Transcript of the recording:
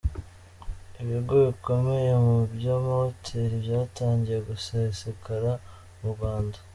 Ibigo bikomeye mu by’amahoteli byatangiye gusesekara mu Rwanda.